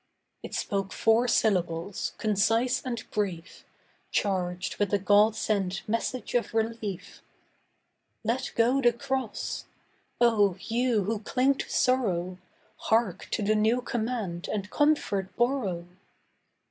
It spoke four syllables, concise and brief, Charged with a God sent message of relief: Let go the cross! Oh, you who cling to sorrow, Hark to the new command and comfort borrow.